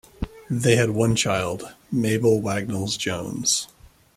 They had one child, Mabel Wagnalls Jones.